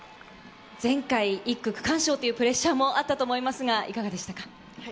前回、１区区間賞というプレッシャーもあったと思いますが、いかがでしたか？